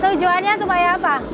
tujuannya supaya apa